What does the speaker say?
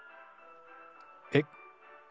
えっ？